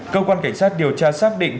cơ quan cảnh sát điều tra xác định